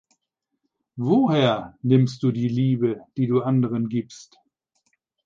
Woher nimmst du die Liebe, die du anderen gibst?